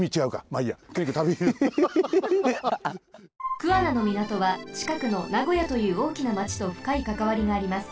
桑名のみなとはちかくの名古屋というおおきな町とふかいかかわりがあります。